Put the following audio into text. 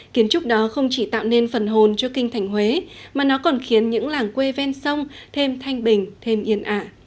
kiến trúc đó không chỉ tạo nên phần hồn cho kinh thành huế mà nó còn khiến những làng quê ven sông thêm thanh bình thêm yên ả